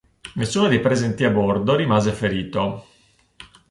Nessuno dei presenti a bordo rimase ferito.